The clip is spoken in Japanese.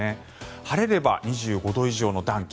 晴れれば２５度以上の暖気